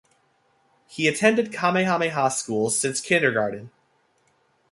He attended Kamehameha Schools since kindergarten.